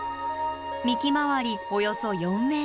幹回りおよそ４ｍ。